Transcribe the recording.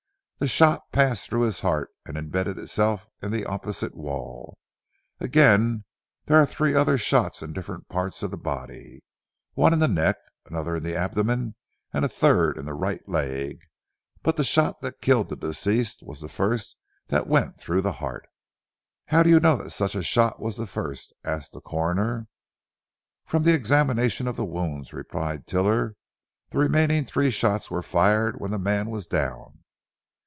The shot passed through his heart and imbedded itself in the opposite wall. Again, there are three other shots in different parts of the body. One in the neck, another in the abdomen, and a third in the right leg. But the shot that killed the deceased was the the first that went through the heart." "How do you know that such a shot was the first?" asked the Coroner. "From an examination of the wounds," replied Tiler, "the remaining three shots were fired when the man was down.